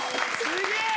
すげえ！